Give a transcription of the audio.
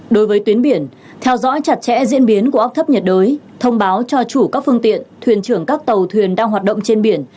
đối với tuyến biển theo dõi chặt chẽ diễn biến của áp thấp nhiệt đới thông báo cho chủ các phương tiện thuyền trưởng các tàu thuyền đang hoạt động trên biển